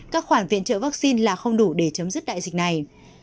các khoản viện trợ vaccine là không đủ để chấm dứt đại dịch này